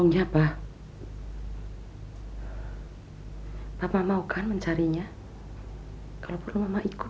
saya yakin kalau istrinya belum tahu kalau bram ditangkap